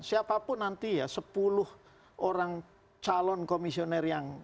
siapapun nanti ya sepuluh orang calon komisioner yang